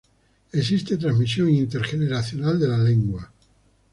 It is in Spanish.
Existe transmisión intergeneracional de la lengua.